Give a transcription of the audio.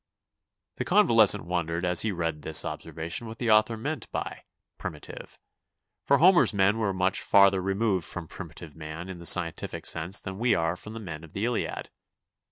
The convalescent wondered as he read this observation what the author meant by "primitive," for Homer's men were much farther removed from primitive man in the scientific sense than we are from the men of the Iliad.